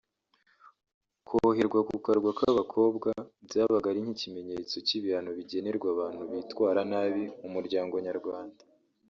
Koherwa ku Karwa k’Abakobwa byabaga ari nk’ikimenyetso cy’ibihano bigenerwa abantu bitwara nabi mu muryango nyarwanda